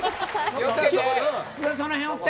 津田、その辺おって。